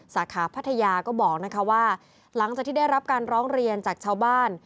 สาขาพัทยาก็บอกนะคะว่าหลังจากที่ได้รับการร้องเรียนจากชาวบ้าน